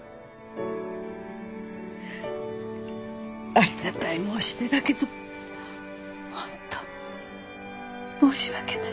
ありがたい申し出だけど本当申し訳ないけど。